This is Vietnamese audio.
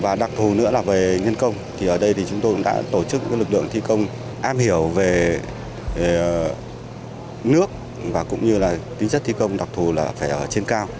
và đặc thù nữa là về nhân công thì ở đây thì chúng tôi cũng đã tổ chức lực lượng thi công am hiểu về nước và cũng như là tính chất thi công đặc thù là phải ở trên cao